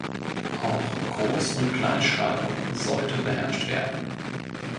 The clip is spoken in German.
Auch Groß- und Kleinschreibung sollte beherrscht werden.